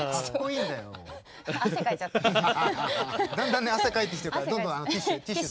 だんだんね汗かいてきてるからどんどんあのティッシュ。